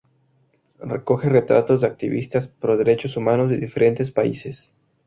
Recoge retratos de activistas pro derechos humanos de diferentes países.